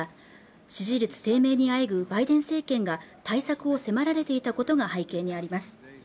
支持率低迷にあえぐバイデン政権が対策を迫られていたことが背景にあります